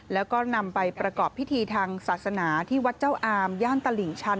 แล้วก็นำไปประกอบพิธีทางศาสนาที่วัดเจ้าอามย่านตลิ่งชัน